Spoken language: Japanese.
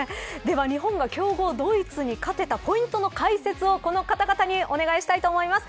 日本は強豪ドイツに勝てたポイントの解説をこの方々にお願いしたいと思います。